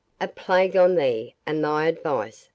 "A plague on thee, and thy advice!"